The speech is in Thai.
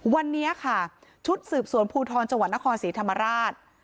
วันเนี้ยค่ะชุดสืบส่วนภูทรจนครสีธรรมราช